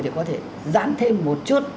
thì có thể dãn thêm một chút